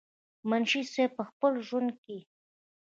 منشي صېب پۀ خپل ژوند کښې